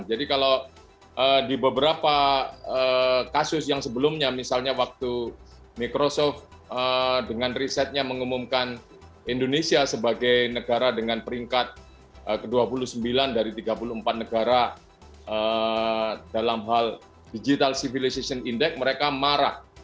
jadi kalau di beberapa kasus yang sebelumnya misalnya waktu microsoft dengan risetnya mengumumkan indonesia sebagai negara dengan peringkat ke dua puluh sembilan dari tiga puluh empat negara dalam hal digital civilization index mereka marah